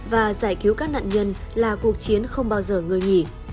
và giải cứu các nạn nhân là cuộc chiến không bao giờ ngơi nghỉ